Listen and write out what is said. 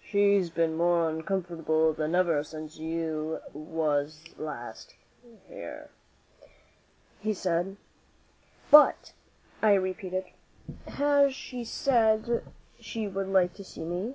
"She's been more uncomfortable than ever since you was there last," he said. "But," I repeated, "has she said she would like to see me?"